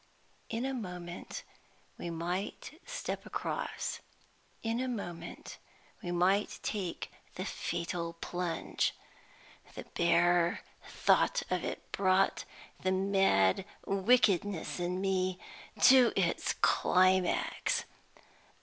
In a moment we might step across; in a moment we might take the fatal plunge. The bare thought of it brought the mad wickedness in me to its climax.